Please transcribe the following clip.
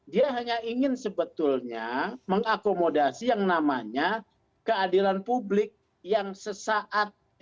dia hanya ingin sebetulnya mengakomodasi yang namanya keadilan publik yang sesaat